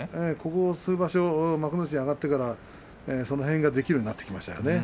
ここ数場所幕内に上がってからその辺りができるようになりました。